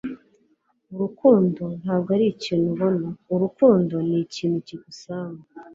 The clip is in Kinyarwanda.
urukundo ntabwo arikintu ubona. urukundo ni ikintu kigusanga